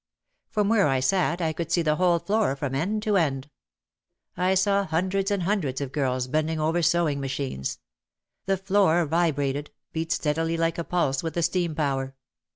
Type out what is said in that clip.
From where I sat I could see the whole floor from end to end. I saw hundreds and hundreds of girls bending over sewing machines. The floor vi brated, beat steadily like a pulse with the steam power.